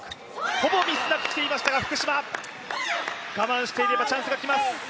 ほぼミスなく来ていましたが、福島我慢していればチャンスが来ます。